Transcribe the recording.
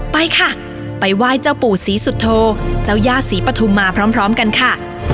ไปค่ะไปไหว้เจ้าปู่ศรีสุโธเจ้าย่าศรีปฐุมมาพร้อมกันค่ะ